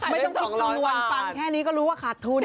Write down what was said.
ไม่ต้องคิดคำนวณฟังแค่นี้ก็รู้ว่าขาดทุน